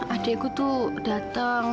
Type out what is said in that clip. adikku tuh dateng